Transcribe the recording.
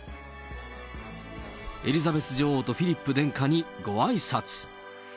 エリザベス女王とフィリップ殿下にごあいさつ。